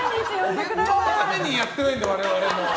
お弁当のためにやってないんで我々も。